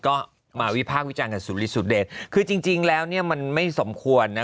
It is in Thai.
ก็มาวิพากษ์วิจารณ์กับสุริสุดเดชคือจริงจริงแล้วเนี่ยมันไม่สมควรนะ